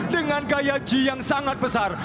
dengan gaya g yang sangat besar